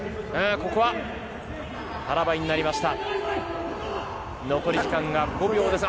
ここは腹ばいになりました。